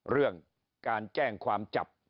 เรื่องการแจ้งความจับ